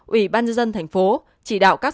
ủy ban dân thành phố chỉ đạo các